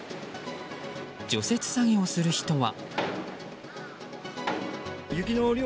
除雪作業をする人は。